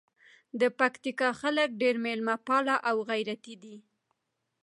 د پکتیکا خلګ ډېر میلمه پاله او غیرتي دي.